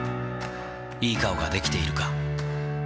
いい顔ができているか。